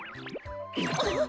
あっ！